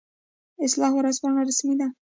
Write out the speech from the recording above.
اصلاح ورځپاڼه رسمي ده